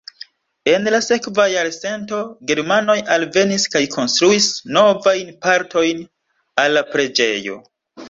En la sekva jarcento germanoj alvenis kaj konstruis novajn partojn al la preĝejo.